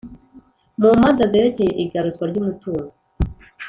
Mu manza zerekeye igaruzwa ry umutungo